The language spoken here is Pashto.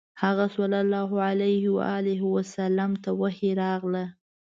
هغه ﷺ ته وحی راغله.